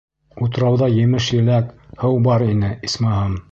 Утрауҙа емеш-еләк, һыу бар ине, исмаһам.